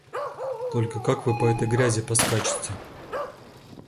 Только как вы по этой грязи поскачете?